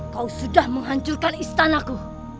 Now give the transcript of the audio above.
kau sudah menghancurkan istanaku